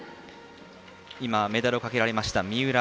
メダルをかけられました、三浦。